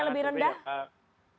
berbeda begitu pak miko dengan sinovac